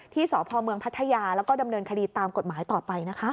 สพเมืองพัทยาแล้วก็ดำเนินคดีตามกฎหมายต่อไปนะคะ